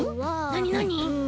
なになに？